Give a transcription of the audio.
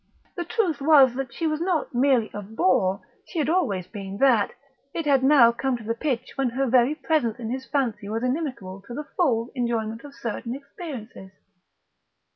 The truth was that she was not merely a bore; she had always been that; it had now come to the pitch when her very presence in his fancy was inimical to the full enjoyment of certain experiences....